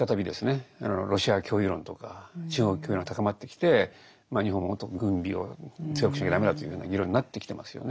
ロシア脅威論とか中国脅威論が高まってきて日本ももっと軍備を強くしなきゃダメだというふうな議論になってきてますよね。